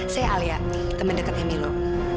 saya alia temen deketnya milo